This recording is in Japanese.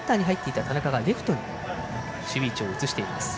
田中がレフトに守備位置を移しています。